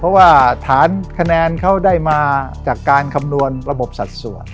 เพราะว่าฐานคะแนนเขาได้มาจากการคำนวณระบบสัดส่วน